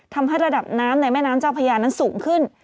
ทำให้ระดับน้ำในแม่น้ำเจ้าพญานั้นสูงขึ้น